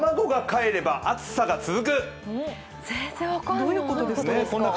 どういうことですか？